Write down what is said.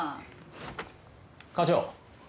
課長。